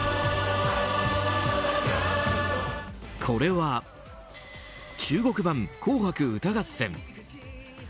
これは、中国版「紅白歌合戦」。